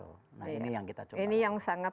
nah ini yang kita coba ini yang sangat